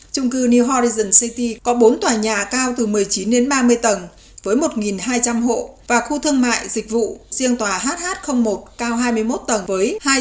trung cư new horizons city có bốn tòa nhà cao từ một mươi chín ba mươi tầng với một hai trăm linh hộ và khu thương mại dịch vụ riêng tòa hh một cao hai mươi một tầng với hai trăm năm mươi sáu hộ dân cư